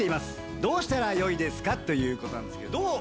どうしたらよいですか？」ということですけどどう？